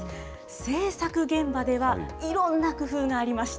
制作現場では、いろんな工夫がありました。